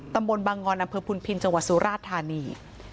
ตำบลบางงอนอำเภอพุนพินจังหวัดสุราชธานี